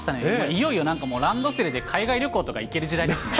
いよいよなんかもう、ランドセルで海外旅行とか行ける時代ですね。